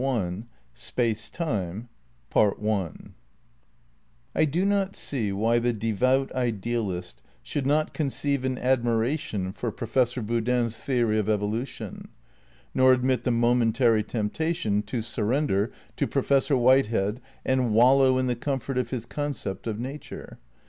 Time V SPACE, TIME AND DEITY I do not see why the devout idealist should not con space eeive an admiration for Professor Boodin's theory of evolution, nor admit the momentary temptation to surrender to Professor Whitehead and wallow in the comfort of his concept of nature.